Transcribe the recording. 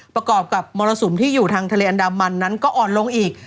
ประกอบกับมรสุมที่อยู่ทางทะเลอันดามันนั้นก็อ่อนลงอีก